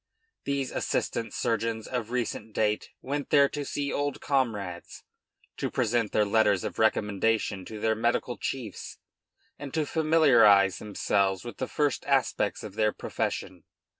These assistant surgeons of recent date went there to see old comrades, to present their letters of recommendation to their medical chiefs, and to familiarize themselves with the first aspects of their profession.